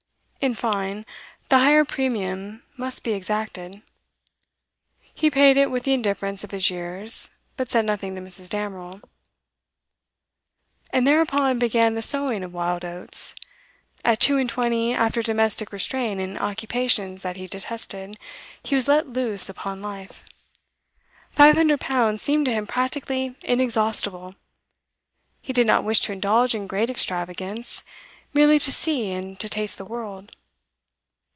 In fine, the higher premium must be exacted. He paid it with the indifference of his years, but said nothing to Mrs. Damerel. And thereupon began the sowing of wild oats. At two and twenty, after domestic restraint and occupations that he detested, he was let loose upon life. Five hundred pounds seemed to him practically inexhaustible. He did not wish to indulge in great extravagance; merely to see and to taste the world.